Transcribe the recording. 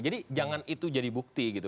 jadi jangan itu jadi bukti gitu